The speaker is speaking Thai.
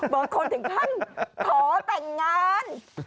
บางคนถึงขั้นขอแต่งงาน